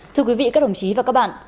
thưa quý vị các đồng chí và các bạn